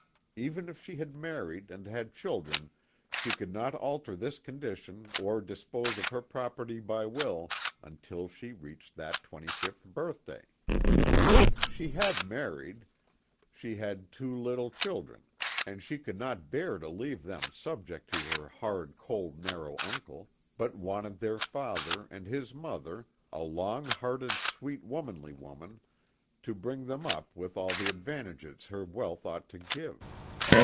Even if she had married and had children she could not alter this condition or dispose of her property by will until she reached that twenty fifth birthday. She had married, she had two little children 138 THE TWO WILLS. and she could not bear to leave them subject to her hard cold narrow uncle, but wanted their father, and his mother, "a loving hearted sweet womanly woman," to bring them up with all the advantages her wealth ought to give.